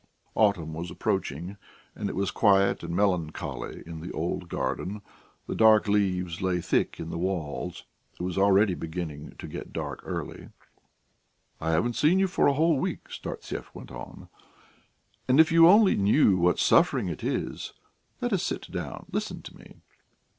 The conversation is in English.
Autumn was approaching, and it was quiet and melancholy in the old garden; the dark leaves lay thick in the walks. It was already beginning to get dark early. "I haven't seen you for a whole week," Startsev went on, "and if you only knew what suffering it is! Let us sit down. Listen to me."